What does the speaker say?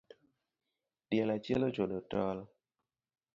Diel achiel ochodo tol